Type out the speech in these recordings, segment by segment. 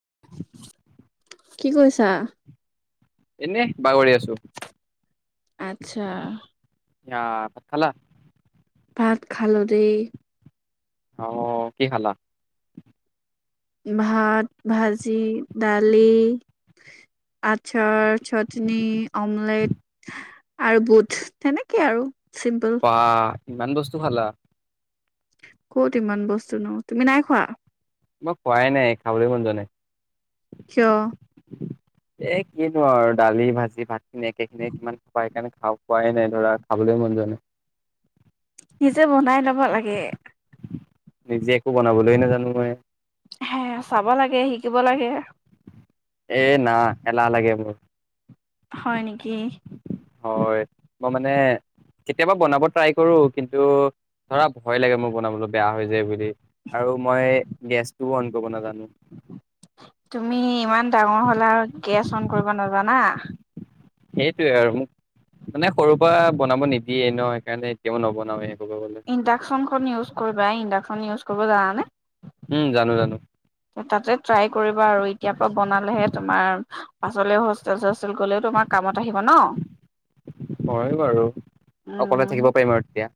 [inaudible] কি কৰিছা এনে বাগৰি আছো আচ্ছা ভাত খালা ভাত খালো দেই অ কি খালা ভাত ভাজি দালি আচাৰ চাটনি অমলেট আৰু বুট তেনেকে আৰু চিম্পল অঁ ইমান বস্তু খালা ক'ত ইমান বস্তু ন তুমি নাই খোৱা মই খোৱাই নাই খাবলৈ মন জাই কিয় এ কিনো আৰু দালি ভাজি ভাত সে খিনি কিমান খায় কাৰণে খাওঁ খোৱাই নাই ধৰা খাবলৈ মন যোৱা নাই নিজে বনাই লব লাগে নিজে একো বনাবলৈ নোজানো মই হে চাব লাগে শিকিব লাগে এ না এলাহ লাগে মোৰ হয় নেকি কি হয় মই মানে কেতিয়াবা বনাব ট্ৰাই কৰোঁ কিন্তু ধৰা ভয় লাগে মোৰ বনাবলৈ বেয়া হৈ যায় বুলি আৰু মই গেছ টো বন্ধ ন যায় [unintelligible] তুমি ইমান ডাঙৰ হ'লা আৰু গেছ অন কৰিব নাজানা জানা সেইটোয়ে আৰু মোক মানে সৰুৰ পৰা বনাব নিদিয়ে ন সেইকাৰণে এতিয়াও নবনওেই ইণ্ডাকশচনখন ইউজ কৰিবা ইডাকন ইউজ কৰিব জানানে উম জানো জানো তাতে ট্ৰাই কৰিবা আৰু এতিয়া পৰা বনালেহে তোমাৰ পাছলে হোষ্টেলত ছোচতেল গ'লে তোমাৰ কামত আহিব ন হয় বাৰু অকলে থাকিব পাৰিম আৰু তেতিয়া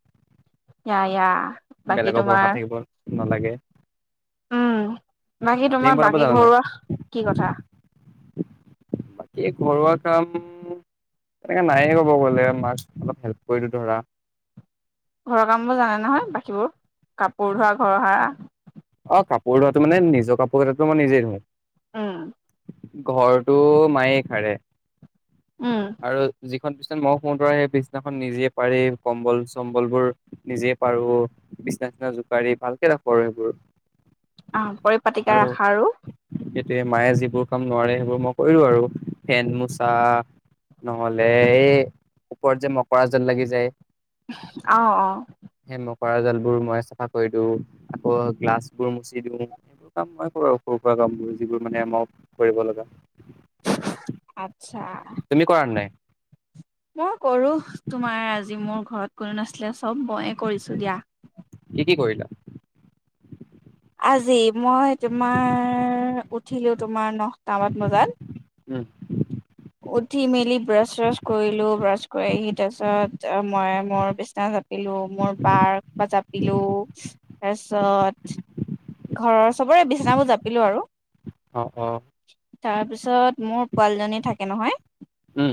য়া য়া বেলেগৰ ভৰষা থাকিব নালাগে উম বাকী ডিম তোমাৰ বনাব বাকী জানা নাই ঘৰুৱা কি কথা বাকী ঘৰুৱা কাম তেনেকে নায়য়ে ক'ব গ'লে মাক অলপ হেল্প কৰিলো ধৰা ঘৰৰ কাম বোৰ জানে নহয় বাকীবোৰ কাপোৰ ধোৱা ঘৰৰ সাৰা অ কাপোৰ ধোৱাত মানে নিজ কাপোৰ কেইতাতো মই নিজেই উম ধওঁ ঘৰটো মায়ে সাৰে উম আৰু যি বিছনা খন সেই বিছনাখন নিজে পাৰি কম্বল চম্বল বোৰ নিজে পাৰো বিছনা ছিছনা জোকাৰি ভালকে ৰাখো সেইবোৰ অ পৰিপাটিকে ৰাখা আৰু এই মায়ে যিবোৰ কাম নোৱাৰে সেইবোৰ মই কৰিো আৰু ফেন মোচা নহলে এই ওপৰত যে মকৰা জাল লাগি যায় অ অ সেই মকৰা জাল বোৰ মই চাফা কৰি দি আকৌ গ্লাছ বোৰ মুচি দিও এইেইবোৰ কাম মই কৰো সৰু সুৰা কামবোৰ যিবোৰ মানে আমাৰ কৰিব লগা আত্চ্ছা তুমি কৰা নাই মই কৰো তোমাৰ আজি মোৰ ঘৰত কোনো নাছিলে। চব ময়ে কৰিছো দিয়া কি কি কৰিলা আজি মই তোমাৰ উঠিলোঁ তোমাৰ নহটামান বজাত ওম উঠি মেলি ব্ৰাছ চ্ৰাছ কৰিলো ব্ৰাছ কৰি আহি তাৰ পিছত মই মোৰ বিছনা জাপিলো মোৰ পাৰ্ক বা জাপিলো তাৰপিছত ঘৰৰ চবৰে বিছনাবোৰ জাপিলো আৰু অ অ তাৰ পিছত মোৰ পোৱালীজনী থাকে নহয় উম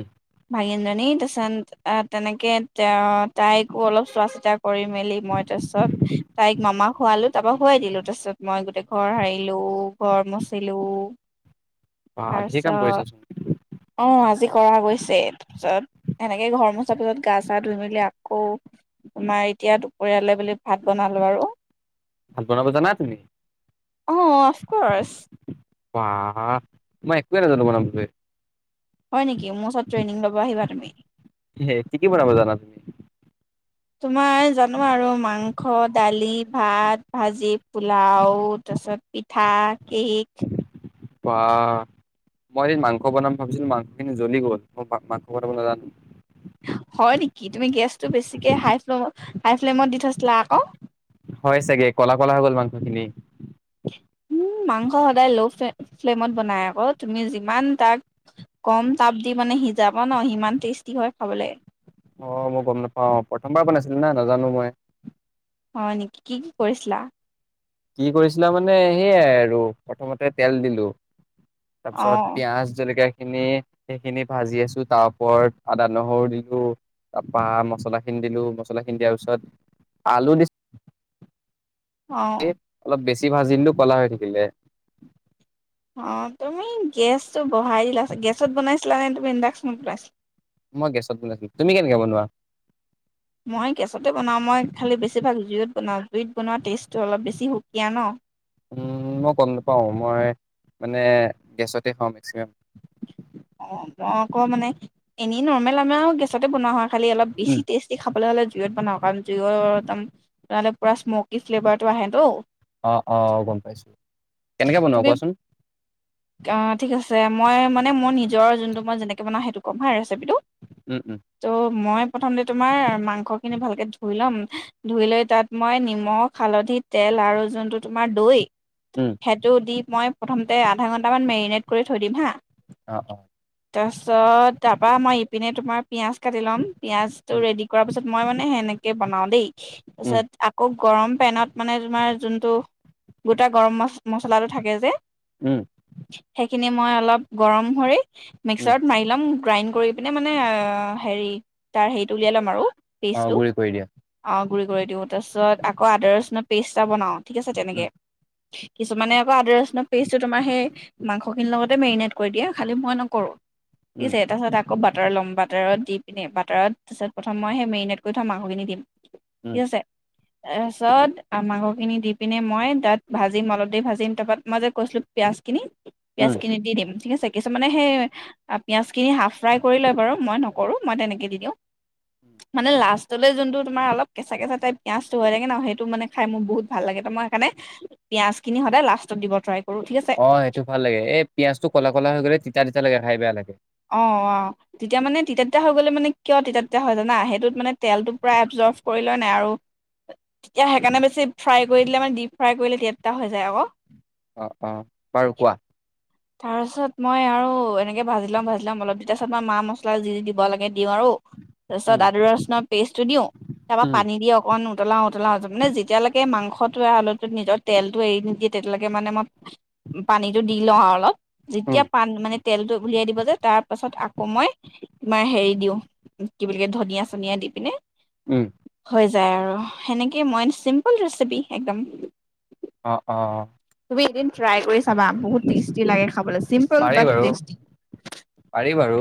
ভাগিন জনী তাৰপিছত আহ তেনেকে এ তাইকো অলপ চোৱা চিতা কৰি মেলি মই তাৰপিছত তাইক মামাক খোৱালো তাৰপৰা শোৱাই দিলো তাৰ পিছত মই গোটেই ঘৰ হাৰিলো ঘৰ মচিলো বা ঢেৰ তাৰপিছত কাম কৰিছাচোন অ আজি কৰা গৈছে তাৰপিছত সেনেকেই ঘৰ মোচা পিছত গা চা ধুই মেলি আকৌ তোমাৰ এতিয়া দুপৰিয়ালে বুলি ভাত বনালো আৰু ভাত বনাব জানা তুমি অহ অফকৰ্চ বা মই একোৱে নাজানো বনাবলৈ হয় নেকি মোৰ ওচৰত ট্ৰেইনিং লব আহিবা তুমি কি কি বনাব জানা তুমি তোমাৰ জানো আৰু মাংস দালি ভাত ভাজি পোলাও তাৰপিছত পিঠা কেক বা মই এদিন মাংস বনাম ভাবিছিলো মাংসখিনি জ্বলি গ'ল মই মাংস বনাব নাজানো হয় নেকি তুমি গেছটো বেছিকে হাই ফ্লমত হাই ফ্লেমত দি থৈছিলা আক সেইখনি উম মাংস সদায় ল'ফ্লে ফ্লেমত বনাই আক তুমি যিমান তাক কম তাপ দি মানে সিজাবা ন সিমান টেষ্টি হয় খাবলে অ মই গম নাপাও প্ৰথমবাৰ বনাইছিলো না নাজানো মই হয় নেকি কি কি কৰিছিলা কি কৰিছিলা মানে সেইয়াই আৰু প্ৰথমতে তেল দিলো তাৰ পিছত অ', পিয়াজ জলকীয়া সেখিনি সেইখিনি ভাজি আছো তাৰ ওপৰত আদা নহৰু দিলো তাৰপা মছলাখিনি দিলো মছলাখিনি দিয়াৰ পিছত আলু দিছো অ'। অলপ বেছি বেছিভাজি দিলো কলা হৈ থাকিলে অঁ তুমি গেছটো বঢ়াই দিলা ছাগে গেছত বনাইছিলা নে তুমি ইণ্ডাকশ্যনত বনাইছিলা মই গেছত বনাইছিলো তুমি কেনেকে বনোৱা মই গেছতে জুইট বনোৱা টেষ্টটো অলপ বেছি সুকীয়া ন উম মই গম নাপাওঁ মই মানে গেছতে খাম অ মই অক মানে এনেই নৰ্মেল আমাৰও গেছতে বনোৱা হয় খালি অলপ বেছি টেষ্টি খাবলৈ হ'লে জুইত বনাওঁ কাৰণ জুইক একঢ়দম নহ'লে পুৰা স্মকী ফ্লেভাৰটো আহে তো অ অ অ গম পাইছো কেনেকে বনোৱা তুমি কোৱাচোন ঠিক আছে মই মানে মোৰ নিজৰ যোনটো মই যেনেকৈ বনাওঁ সেইটো ক'ম হা ৰেচিপিটো উম উম ত' মই প্ৰথমতে তোমাৰ মা মাংস খিনি ভালকে ধুই ল'ম ধুই লৈ তাত মই নিমখ হালধি তেল আৰু যোনটো তোমাৰ দৈ উম সেইটো দি মই প্ৰথমতে আধা ঘণ্টামান মেৰিনেট কৰি থৈ দিম হা অ অ তাৰপাছত তাৰপৰা মই ইপিনে তোমাৰ পিঁয়াজ কাটি ল'ম পিয়ঁয়াজটো উম ৰেডি কৰাৰ পিছত মই মানে সেনেকে বনাওঁ দেই উম তাৰপিছত আকৌ গৰম পেনত মানে তোমাৰ যোনটো গোটা গৰম ম মচলাটো থাকে যে উম সেইখিনি মই অলপ গৰম হৈ উম মিক্সাৰত মাৰি লম গ্ৰাইণ্ড কৰি পিনে মানে হেৰি তাৰ হেৰিটো উলিয়াই ল'ম আৰু অঁ পেষ্টটো গুৰি কৰি দিয়া অ গুৰি কৰি দিওঁ তাৰপিছত আকৌ আদা ৰচুন পেষ্ট এটা বনাওঁ ঠিক আছে তেনেকে উম কিছুমানে আকৌ আদা‌ ৰচুনৰ পেইজ তোমাৰ সেই মাংস খিনিৰ লগতে মেৰিনেট কৰি দিয়ে খালি মই নকৰো উম পিছে এদখত আক আকৌ বাটাৰ ল'ম বাটাৰত দি পিনে বাটাৰত তাৰছত প্ৰথম মই সেই মেৰিনেট কৰি থোৱা মাংসখিনি দিম উম ঠিক আছে তাৰপাছত মাংসখিনি দি পিনে মই তাত ভাজিম অলপ দে ভাজিম তাৰপা মই যে কৈছিলো পিয়াজখিনি পিয়াঁজ খিনি দি দিম ঠিক আছে কিছু মানে সেই পিঁয়াজখিনি হাফ ফ্ৰাই কৰি লয় বাৰু মই নকৰোঁ মই তেনেকে দি দিওঁ উম মানে লাষ্টলৈ যোনটো তোমাৰ অলপ কেঁচা কেঁচা টাইপ পিঁয়াজটো হৈ থাকে ন সেইটো মানে খাই মোৰ বহুত ভাল লাগে তো মই সেইকাৰণে পিয়াজখিনি সদায় লাষ্টত দিব ত অঁ সেইটো ভাল লাগে এই পিয়াঁজ টো কলা কলা হৈ গ'লে তিতা তিতা লাগে খাই বেয়া লাগে অঁ অঁ তেতিয়া মানে তিতা তিতা হৈ গ'লে মানে কিয় তিতা তিতা হৈ যানা সেইটোত মানে তেলটো পূৰা এবজৰ্ভ কৰি লয় নাই আৰু তেতিয়া সেইকাৰণে বেছি ফ্ৰাই কৰি দিলে মানে ডিপ ফ্ৰাই কৰিলে তিতা তিতা হৈ যায় আকৌ অঁ অঁ বাৰু কোৱা তাৰপাছত মই আৰু এনেকে ভাজি লম ভাজি লম অলপ দি তাৰ পিছত মই মা মছলা যি দিব লাগে দিওঁ আৰু তাৰপিছত উম আদা ৰচুণৰ পেষ্টটো দিওঁ তাৰপৰা উম পানী দি অকণ উতলাও উতলাও মানে যেতিয়ালৈকে মাংসটো আৰু আলুটোত নিজৰ তেলটো এৰি নিদিয়ে তেতিয়ালৈকে মানে মই পানীটো দি লওঁ অলপ উম যেতিয়া প মানে তেলটো উলিয়াই দিব যে তাৰ পাছত আকৌ মই ইমাৰ হেৰি দিওঁ কি বুলি ক ধনিয়া চনিয়া দি পিনে উম হৈ যায় আৰু সেনেকেই মই চিম্পুল ৰেচিপি একদম অ অ তুমি এদিন ট্ৰাই কৰি চাবা বহুত টেষ্ট লাগে খাবলৈ চিম্পল পাৰি বাত বাৰু টেষ্টি পাৰি বাৰু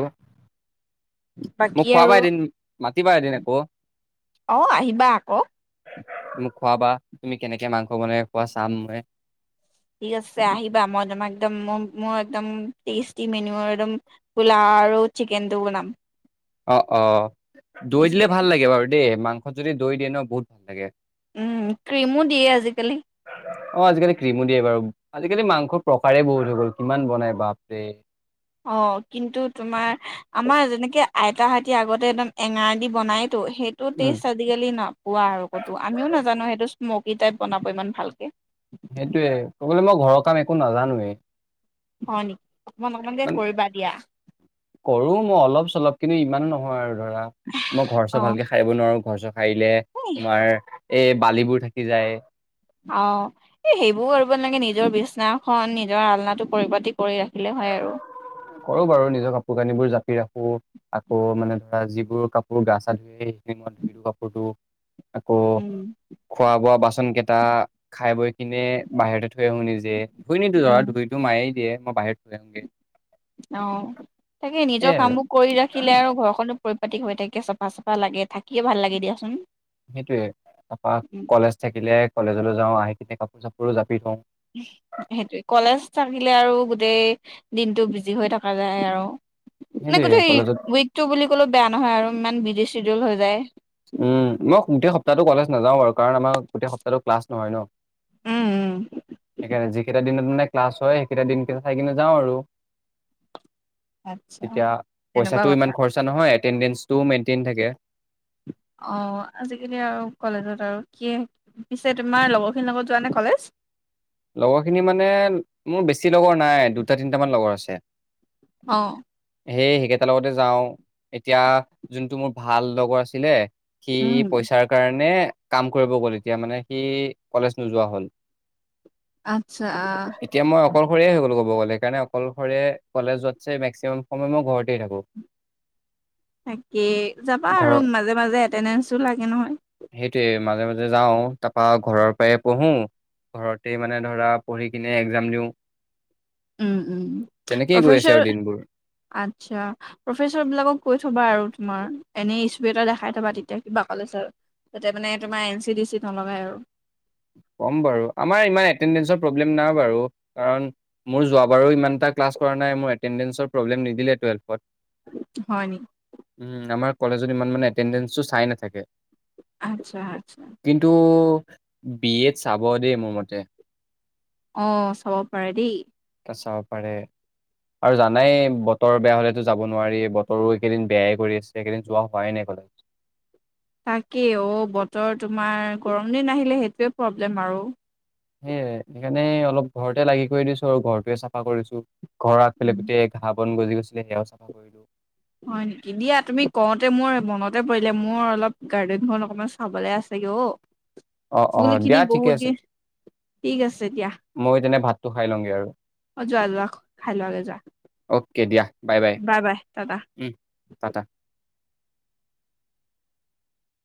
মোক বাকী খোৱাবা আৰু এদিন মাতিবা এদিন আকৌ অ আহিবা আকৌ মোক খোৱাবা তুমি কেনেকে মাংস বনাই খোৱা চাম মই ঠিক আছে আহিবা মই তোমাক একদম মোৰ একদম টেষ্টি মেনুঅৰ পোলাঅ আৰু চিকেনটো বনাম অ অ ঠিক দৈ দিলে আছে ভাল লাগে বাৰু দেই মাংস যদি দৈ দিয়ে ন বহুত ভাল লাগে। উম ক্ৰীমো দিয়ে আজিকালি অ' আজিকালি ক্ৰীমো দিয়ে বাৰু। আজিকালি মাংস প্ৰকাৰে বহুত হৈ গ'ল। কিমান বনাই বাপৰে। অ' কিন্তু তোমাৰ আমাৰ যেনেকে আইতাহতি আগতে একদম এঙাৰ দি বনায়। সেইটো উম টেষ্ট আজিকালি নাপোৱা আৰু ক'তো আমিও নাজানো সেইটো স্মক কি টাইপ বনাব ইমান ভালকে। সেইটোয়ে কবলে মই ঘৰৰ কাম একো নাজানোৱেই। হয় নি? অকমান কৰো মই অলপ চলপ কিন্তু ইমানো ন কৰো আৰু ধৰা মই ঘৰ অ চৰ ভালকে হাৰিব নোৱাৰো ঘৰ চ সাৰিলে এ তোমাৰ এ বালিবোৰ থাকি যায়। আহ এ সেইবোৰ কৰিব নালাগে নিজৰ বিচনাখন নিজৰ আলনাটো পৰিপা্তি কৰি ৰাখিলে হয় আৰু কৰো বাৰু নিজৰ কাপোৰ কানিবোৰ জাপি ৰাখো আকৌ মানে ধৰা যিবোৰ কাপোৰ গা চা ধুই সেইখিনি মই ধুই লওঁ‌ কাপোৰটো। আক উম খোৱা-বোৱা বাচন। কেইটা খাই বৈ কিনে বাহিৰতে থৈ আহো নিজে ধুই নিদিও ধৰা ধুইতো মায়েই দিয়ে। মই বাহিৰত। লগে অ' তাকে নিজৰ কামবোৰ কৰি ৰাখিলে আৰু ঘৰখনো। পৰিপাটিক হৈ থাকে চাফা চাফা লাগে থাকিয়ে ভাল লাগে দিয়াচোন। সেইটোয়ে তাৰপা কলেজ থাকিলে কলেজলৈ যাও আহি কিনে কাপোৰ চাপোৰ ৰু জাপি থওঁ সেইটোৱে কলেজ থাকিলে আৰু গোটেই দিনটোত বিজি হৈ থকা যায় আৰু মানে সেইটোয়ে গোটেই কলেজত উইকটো বুলি ক'লো বেয়া নহয় আৰু ইমান বিজি চিডিউল হৈ যায়। উম মই গোটেই সপ্তাহটো কলেজ নাযাওঁ বাৰু কাৰণ আমাৰ গোটেই সপ্তাহটো ক্লাছ নহয় ন। উম উম সেইকাৰণে যিকেইটা দিনত মানে ক্লাছ হয় সেইকেইটা দিনকেইটা চাই কিনে যাওঁ আৰু আচ্ছা এতিয়া তেনেকুৱা পইচাটো কথা ইমান খৰচা নহয়। এটেণ্ডেঞ্চটোও মেইনটেইন থাকে। অ' আজিকালি আৰু কলেজত আৰু কি পিছে তোমাৰ লগৰখিনিৰ লগত যোৱা নে কলেজ? লগৰ খিনি মানে মোৰ বেছি লগৰ নাই দুটা তিনটা মান লগৰ আছে। অ' সেই সেইকেইটাৰ লগতে যাওঁ এতিয়া যোনটো মোৰ ভাল লগৰ আছিলে। কি উম পইচাৰ কাৰণে। কাম কৰিব গ'ল এতিয়া মানে সি কলেজ নোযোৱা হল। আচ্ছা আহ। শৰে হৈ গ'লো ক'ব গ'লে সেইকাৰণে অকলশৰে কলেজ যোৱাত মেক্সিমাম সময় মই ঘৰতে থাকো। তাকে যাবা আৰু ঘৰৰ মাজে মাজে। তেনেছো লাগে নহয়। সেইটোৱে মাজে মাজে যাওঁ তাৰপা ঘৰৰ পৰাই পঢ়ো ঘৰতে মানে ধৰা পঢ়ি কিনে এক্জাম দিওঁ। উম উম তেনেকেই গৈ আছে প্ৰফেচৰ আৰু দিনবোৰ আচ্ছা প্ৰফেছৰ বিলাকক কৈ থবা আৰু তোমাৰ এনে। ত এটা দেখাই থবা তেতিয়া কিবা ক'লে চ যাতে মানে তোমাৰ এন চি ডি চি নলগাই আৰু। ক'ম বাৰু আমাৰ ইমান এটেণ্ডেঞ্চৰ প্ৰব্লেম নাই বাৰু কাৰণ মোৰ যোৱাবাৰো ইমান এটা ক্লাছ কৰা নাই মোৰ এটেণ্ডেঞ্চৰ প্ৰব্লেম নিদিলে টুৱেলভত। হয় নি উম আমাৰ। কলেজত ইমান মানে এটেণ্ডেঞ্চটো চাই নাথাকে। আচ্ছা আচ্ছা কিন্তু। উম বি এড চাব দেই মোৰ মতে। অ চাব পাৰে দেই। চাব পাৰে আৰু জানাই বতৰ বেয়া হলেতো যাব নোৱাৰি বতৰো এইকেইদিন বেয়াই কৰি আছে এইকেইদিন যোৱা হোৱাই নাই ক'লে। তাকেই অ বতৰ তোমাৰ গৰম দিন আহিলে সেইটোৱে প্ৰব্লেম আৰু। সেইয়াই সেইকাৰণে অলপ ঘৰতে লাগি কৰি দিছো আৰু ঘৰটোোৱে চাফা কৰিছো। ঘৰ আগ পেলে উম, গোটেই এঘাপ। বন গজি গৈছিলে সেয়াও চফা কৰিলো। হয় নেকি দিয়া তুমি কওঁতে মোৰ মনতে পৰিলে মোৰ অলপ গাৰ্ডেনখন অকণমান চাবলৈ আছেগৈ অ'। অ অ ফুল খিনি দিয়া ঠিকে বহুত আছে। দিন ঠিক আছে। দিয়া মই তেনে ভাতটো খাই লওঁগে আৰু অ যোৱা যোৱা খাই লোৱাগে যোৱা অকে দিয়া। Bye bye Tata. উম, টাটা।